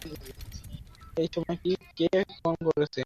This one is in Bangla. এই সময়ে কে ফোন করেছে?